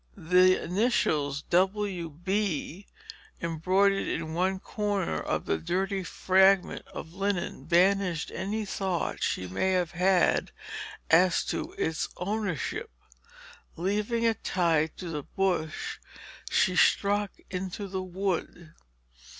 The initials, "W. B." embroidered in one corner of the dirty fragment of linen banished any doubt she may have had as to its ownership. Leaving it tied to the bush, she struck into the wood.